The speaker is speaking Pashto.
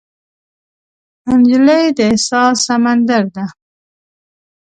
نجلۍ د احساس سمندر ده.